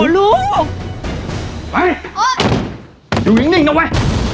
ลูกไปอุ๊ยอยู่อย่างนี้เนอะไว้